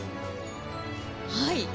はい